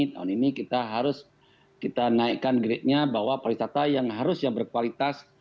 tahun ini kita harus kita naikkan grade nya bahwa pariwisata yang harus yang berkualitas